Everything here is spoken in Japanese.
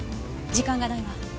時間がないわ。